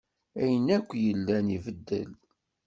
Ayen akk yellan ibeddel.